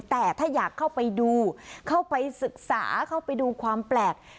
แต่ถ้าอยากเข้าไปดูเข้าไปศึกษาเข้าไปดูความแปลก